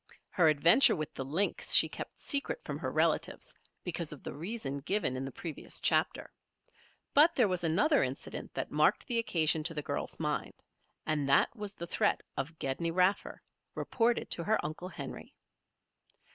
Her adventure with the lynx she kept secret from her relatives, because of the reason given in the previous chapter. But there was another incident that marked the occasion to the girl's mind, and that was the threat of Gedney Raffer, reported to her Uncle Henry.